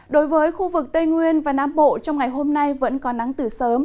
đối với khu vực tây nguyên và nam bộ trong ngày hôm nay vẫn có nắng từ sớm